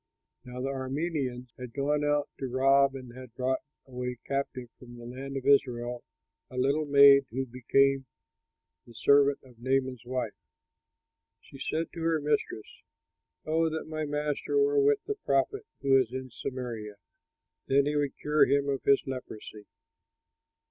Now the Arameans had gone out to rob and had brought away captive from the land of Israel a little maid who became the servant of Naaman's wife. She said to her mistress, "O that my master were with the prophet who is in Samaria! Then he would cure him of his leprosy."